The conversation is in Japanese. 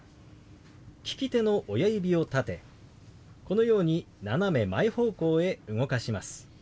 利き手の親指を立てこのように斜め前方向へ動かします。